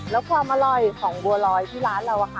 แล้วความอร่อยของบัวลอยที่ร้านเราอะค่ะ